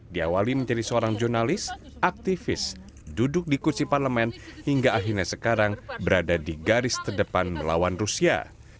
diawali menjadi seorang jurnalis aktivis duduk di kursi parlemen hingga akhirnya sekarang berada di garis terdepan melawan rusia